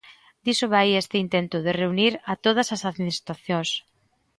Diso vai este intento de reunir a todas as administracións.